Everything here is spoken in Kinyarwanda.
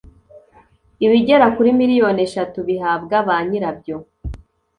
ibigera kuri miliyoni eshatu bihabwa ba nyira byo